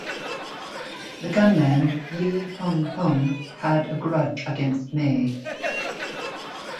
The gunman, Li Hung Hung, had a grudge against May.